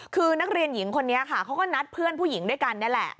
คือนักเรียนหญิงคนนี้ค่ะเขาก็นัดเพื่อนผู้หญิงด้วยกันนี่แหละ